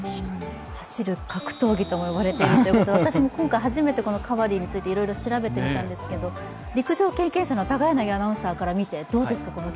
走る格闘技とも呼ばれているということで私も今回初めてカバディについて調べてみましたが陸上経験者の高柳アナウンサーから見て、この競技、どうですか？